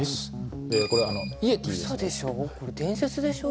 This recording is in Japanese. これ伝説でしょ？